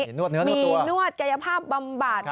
มีนวดเนื้อตัวมีนวดกายภาพบำบัด